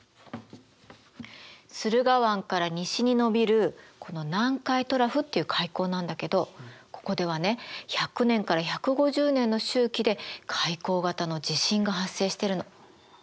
駿河湾から西にのびるこの南海トラフっていう海溝なんだけどここではね１００年から１５０年の周期で海溝型の地震が発生してるの。